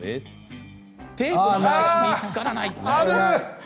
テープの端が見つからない。